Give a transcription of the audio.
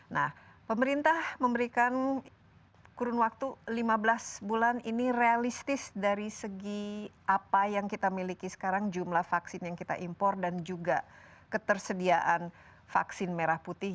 nah pemerintah memberikan kurun waktu lima belas bulan ini realistis dari segi apa yang kita miliki sekarang jumlah vaksin yang kita impor dan juga ketersediaan vaksin merah putih